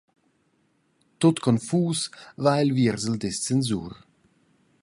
Tut confus va el viers il descensur.